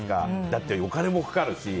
だって、お金もかかるし。